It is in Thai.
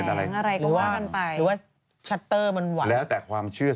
เออน่าจะเป็นแซงกลางคืน